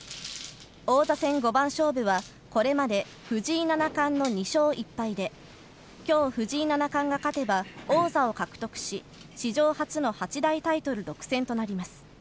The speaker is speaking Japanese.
王座戦五番勝負はこれまで藤井七冠の２勝１敗で、きょう藤井七冠が勝てば王座を獲得し、史上初の八大タイトル独占となります。